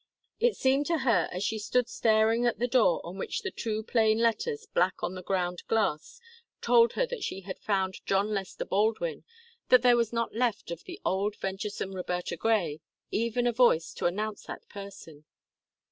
It seemed to her, as she stood staring at the door on which the too plain letters, black on the ground glass, told her she had found John Lester Baldwin, that there was not left of the old, venturesome Roberta Grey even a voice to announce that person.